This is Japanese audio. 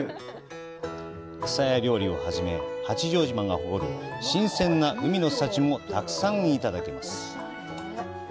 くさや料理をはじめ、八丈島が誇る新鮮な海の幸もたくさんいただけます。